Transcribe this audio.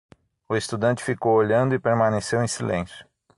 O estudante ficou olhando e permaneceu em silêncio.